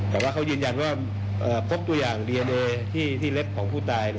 แต่ว่าเขายืนยันว่าพบตัวอย่างเดียวโดยที่เล็บของผู้ตาย